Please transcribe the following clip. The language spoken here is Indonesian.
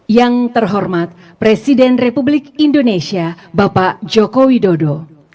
yang terhormat presiden republik indonesia bapak joko widodo